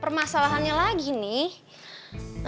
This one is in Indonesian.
permasalahannya lagi nih